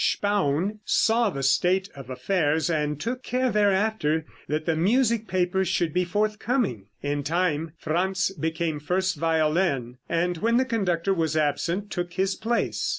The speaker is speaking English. Spaun saw the state of affairs, and took care thereafter that the music paper should be forthcoming. In time Franz became first violin, and when the conductor was absent, took his place.